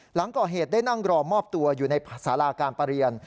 หลังก่อเหตุได้นั่งรอมอบตัวอยู่ในสาราการประเรียน